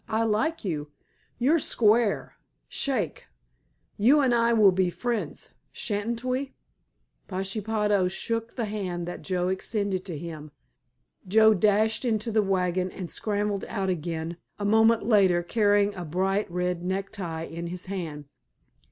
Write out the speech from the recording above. I like you. You're square. Shake. You and I will be friends, shan't we?" Pashepaho shook the hand that Joe extended to him. Joe dashed into the wagon and scrambled out again a moment later carrying a bright red necktie in his hand.